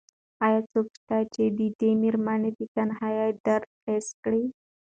ایا څوک شته چې د دې مېرمنې د تنهایۍ درد حس کړي؟